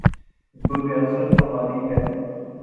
جو ریاست ہماری ہے۔